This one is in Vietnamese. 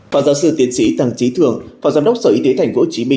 phó giáo sư tiến sĩ tăng trí thường phó giám đốc sở y tế tp hcm